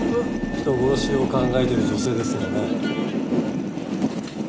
人殺しを考えてる女性ですけどね。